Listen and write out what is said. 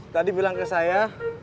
tadi bilang ke saya